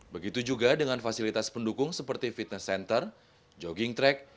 begitu juga dengan fasilitas pendukung seperti fitness center jogging track